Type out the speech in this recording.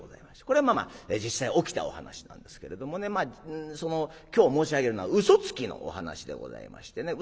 これはまあ実際起きたお話なんですけれどもねまあその今日申し上げるのは嘘つきのお噺でございましてね。